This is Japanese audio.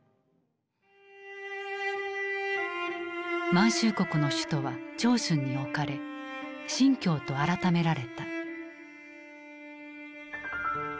満州国の首都は長春に置かれ「新京」と改められた。